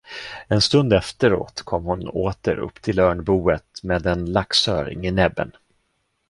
En stund efteråt kom hon åter upp till örnboet med en laxöring i näbben.